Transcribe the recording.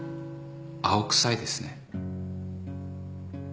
青くさいですね。